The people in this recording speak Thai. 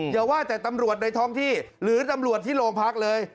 อย่าว่าแต่ตำรวจในท้องที่หรือตำรวจที่โรงพักเลย